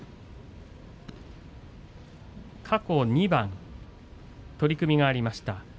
過去２番、取組がありました。